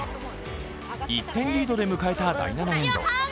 １点リードで迎えた第７エンド。